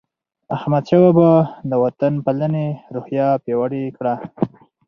احمدشاه بابا د وطن پالنې روحیه پیاوړې کړه.